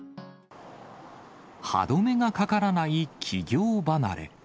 歯止めがかからない企業離れ。